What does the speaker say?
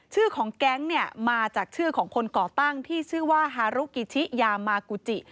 ชื่อของแก๊งเนี่ยมาจากชื่อของคนก่อตั้งที่ชื่อว่าฮารุกิชิยามากูจิ